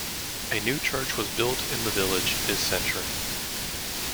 A new church was built in the village this century.